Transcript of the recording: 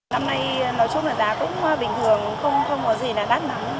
năm nay nói chung là giá cũng bình thường không có gì là đắt lắm